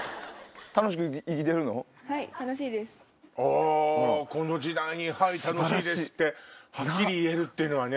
おこの時代に「はい楽しいです」ってはっきり言えるっていうのはね。